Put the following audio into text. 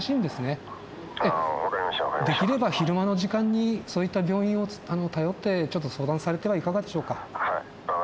できれば昼間の時間にそういった病院を頼ってちょっと相談されてはいかがでしょうか。